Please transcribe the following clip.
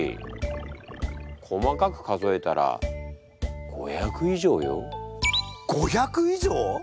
細かく数えたら５００以上よ。５００以上！？